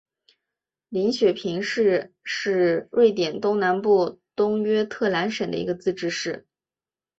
林雪平市是瑞典东南部东约特兰省的一个自治市。